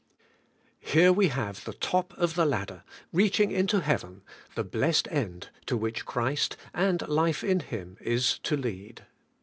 HEKE we have the top of the ladder, reaching into heaven, — the blessed end to which Christ and life in Him is to lead.